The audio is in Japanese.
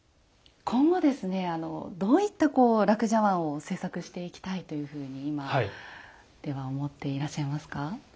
今後ですねどういった樂茶碗を制作していきたいというふうに今思っていらっしゃいますか？